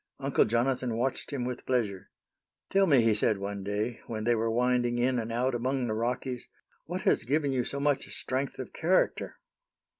Uncle Jonathan watched him with pleasure. "Tell me," he said one day, when they were winding in and out among the Rockies, "what has given you so much strength of character?"